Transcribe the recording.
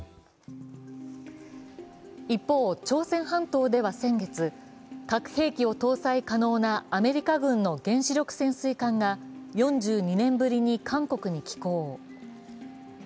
一方、朝鮮半島では先月、核兵器を搭載可能なアメリカ軍の原子力潜水艦が４２年ぶりに韓国に寄港。